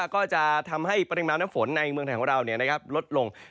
ก็จะทำให้ปริมาณน้ำฝนในเมืองไทยของเราลดลง